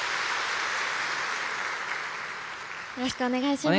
よろしくお願いします。